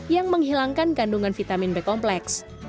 yang menghilangkan kandungan vitamin b kompleks